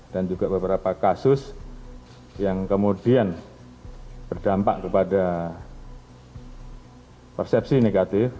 dan juga beberapa kasus yang kemudian berdampak kepada persepsi negatif